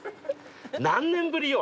何年ぶりよ。